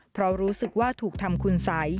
เพราะรู้สึกว่าถูกทำคุณสัย